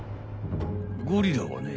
ゴリラはね